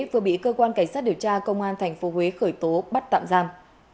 vừa bị cơ quan cảnh sát điều tra công an thành phố huế khởi tố bắt tạm giam